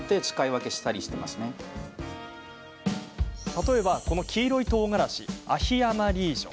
例えば、この黄色いとうがらしアヒ・アマリージョ。